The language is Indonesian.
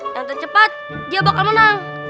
yang tercepat dia bakal menang